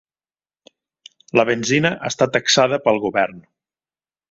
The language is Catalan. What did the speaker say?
La benzina està taxada pel Govern.